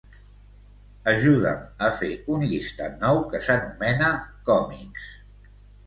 Ajuda'm a fer un llistat nou que s'anomena "còmics".